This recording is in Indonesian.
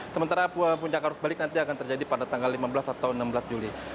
sementara puncak arus balik nanti akan terjadi pada tanggal lima belas atau enam belas juli